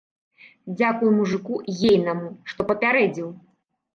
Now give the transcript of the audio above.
Дзякуй мужыку ейнаму, што папярэдзіў.